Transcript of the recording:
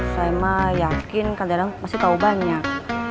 saya mah yakin kang dadang masih tahu banyak